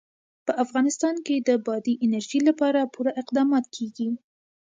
په افغانستان کې د بادي انرژي لپاره پوره اقدامات کېږي.